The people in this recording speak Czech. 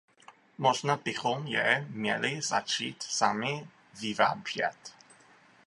Možná bychom je měli začít sami vyrábět.